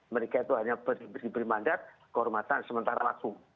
mereka itu hanya diberi mandat kehormatan sementara langsung